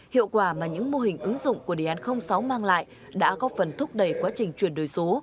hiệu quả mà những mô hình ứng dụng của đề án sáu mang lại đã góp phần thúc đẩy quá trình chuyển đổi số